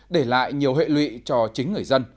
để lại nhiều hệ lụy cho chính người dân